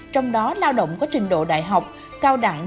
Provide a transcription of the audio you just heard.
trong đó lao động có trình độ đại học cao đẳng